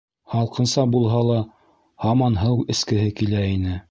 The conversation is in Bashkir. Һалҡынса булһа ла, һаман һыу эскеһе килә ине.